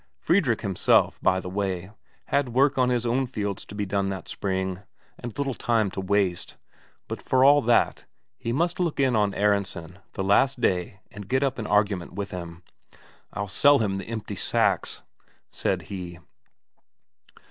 Fredrik, himself, by the way, had work on his own fields to be done that spring, and little time to waste; but for all that, he must look in on Aronsen the last day and get up an argument with him. "I'll sell him the empty sacks," said he.